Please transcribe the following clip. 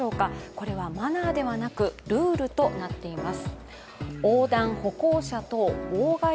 これはマナーではなく、ルールとなっています。